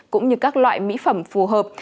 cũng như các loại mỹ phẩm phù hợp